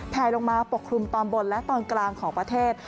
แผลลงมาปกคลุมตอนบนและตอนกลางของประเทศ